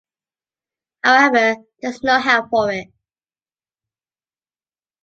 However, there’s no help for it.